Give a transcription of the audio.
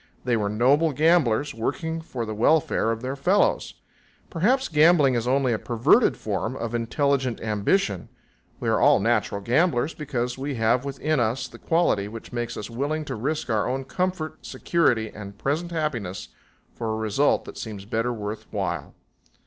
They were noble gamblers, working for the welfare of their fellows. Perhaps gambling is only a perverted form of intelligent ambition we are all natural gamblers because we have within us the quality which makes us willing to risk our own comfort, security and present happiness for a result that seems better worth while.